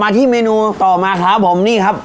ที่เมนูต่อมาครับผมนี่ครับ